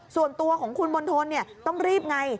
ส่วนตัวของคุณมณฑลต้องรีบไง